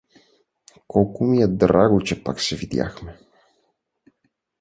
— Колко ми е драго, че пак се видяхме!